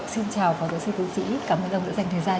xin chào phó giáo sư tiến sĩ cảm ơn ông đã dành thời gian